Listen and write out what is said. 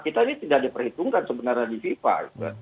kita ini tidak diperhitungkan sebenarnya di fifa